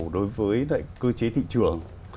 đối với cái cơ chế thị trường